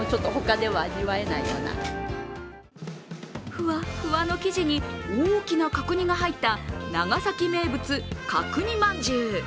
ふわっふわの生地に大きな角煮が入った長崎名物・角煮まんじゅう。